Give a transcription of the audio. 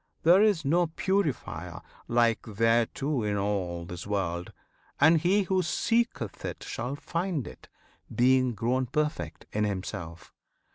There is no purifier like thereto In all this world, and he who seeketh it Shall find it being grown perfect in himself.